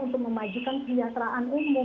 untuk memajukan kegiatraan umum